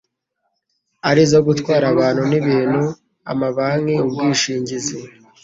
arizo gutwara abantu n ibintu amabanki ubwishingizi